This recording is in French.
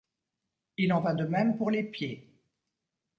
Il en va de même pour les pieds.